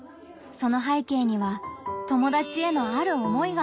その背景には友達へのある思いがありました。